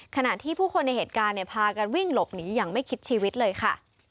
ขณะที่ผู้คนในเหตุการณ์พากันวิ่งหลบหนีอย่างไม่คิดชีวิตเลยค่ะ